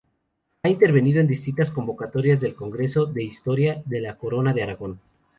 Ha intervenido en distintas convocatorias del Congreso de Historia de la Corona de Aragón.